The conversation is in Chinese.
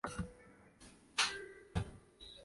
北魏宣武帝于皇后的同母弟。